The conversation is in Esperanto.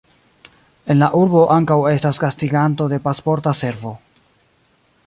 En la urbo ankaŭ estas gastiganto de Pasporta Servo.